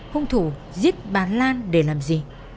hùng thủ giết bà lan để làm gì